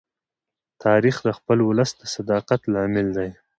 تاریخ د خپل ولس د صداقت لامل دی.